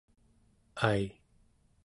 ai²